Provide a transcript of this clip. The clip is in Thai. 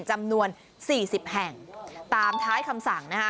จำนวน๔๐แห่งตามท้ายคำสั่งนะคะ